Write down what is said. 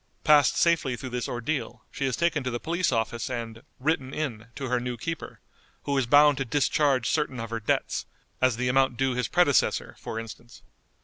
Passed safely through this ordeal, she is taken to the police office and "written in" to her new keeper, who is bound to discharge certain of her debts, as the amount due his predecessor, for instance.